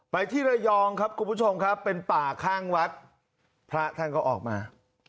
ที่ระยองครับคุณผู้ชมครับเป็นป่าข้างวัดพระท่านก็ออกมา